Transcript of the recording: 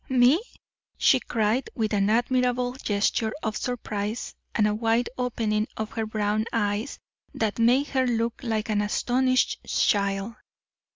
"Me?" she cried, with an admirable gesture of surprise and a wide opening of her brown eyes that made her look like an astonished child.